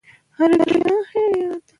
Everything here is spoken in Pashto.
دا جملې زما لخوا تاسو ته ډالۍ.